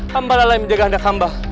hamba lalai menjaga anak hamba